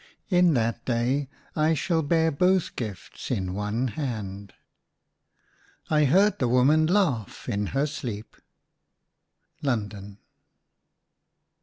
In that day I shall bear both gifts in one hand." I heard the woman laugh in her sleep. London.